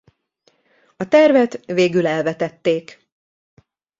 A tervet végül elvetették.